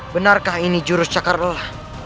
benarkah ini jurus cakarelah